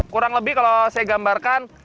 kurang lebih kalau saya gambarkan